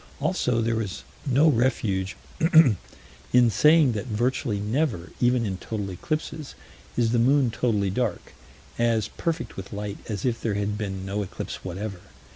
Also there is no refuge in saying that virtually never, even in total eclipses, is the moon totally dark "as perfect with light as if there had been no eclipse whatever."